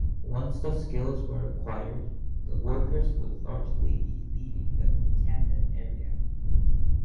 Once the skills were acquired, the workers would largely be leaving the Camden area.